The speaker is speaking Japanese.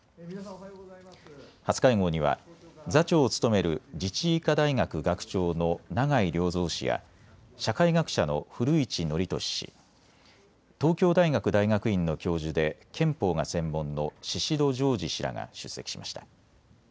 初会合には座長を務める自治医科大学学長の永井良三氏や社会学者の古市憲寿氏、東京大学大学院の教授で憲法が専門の宍戸常寿氏らが出席しました。